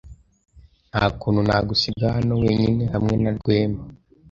Nta kuntu nagusiga hano wenyine hamwe na Rwema.